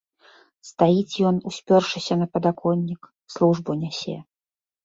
Стаіць ён, успёршыся на падаконнік, службу нясе.